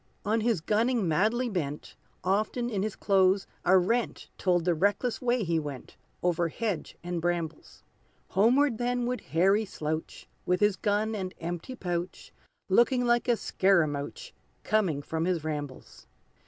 On his gunning madly bent, Often in his clothes a rent Told the reckless way he went, Over hedge and brambles. Homeward then would Harry slouch, With his gun and empty pouch, Looking like a scaramouch Coming from his rambles.